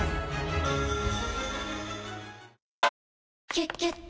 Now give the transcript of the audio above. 「キュキュット」